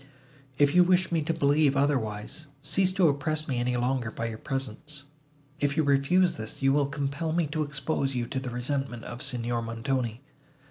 If you wish me to believe otherwise, cease to oppress me any longer by your presence. If you refuse this, you will compel me to expose you to the resentment of Signor Montoni."